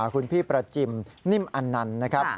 คุณพี่ประจิมนิ่มอันนันต์นะครับ